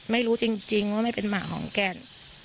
ไม่รู้จริงว่าไม่เป็นหมาของแกน